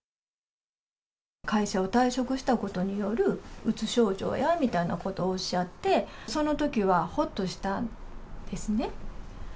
会社を退職したことによるうつ症状やみたいなことをおっしゃって、そのときはほっとしたんですね。